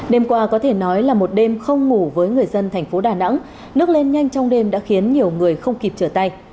đêm qua có thể nói là một đêm không ngủ với người dân thành phố đà nẵng nước lên nhanh trong đêm đã khiến nhiều người không kịp trở tay